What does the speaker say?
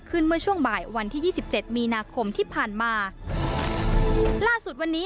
เมื่อช่วงบ่ายวันที่ยี่สิบเจ็ดมีนาคมที่ผ่านมาล่าสุดวันนี้